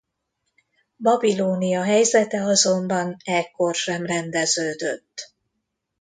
Babilónia helyzete azonban ekkor sem rendeződött.